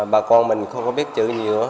bà con mình không có biết chữ nhiều